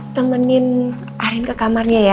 temenin arin ke kamarnya ya